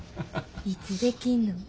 いつできんの？